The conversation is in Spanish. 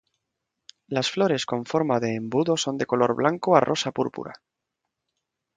Las flores con forma de embudo son de color blanco a rosa púrpura.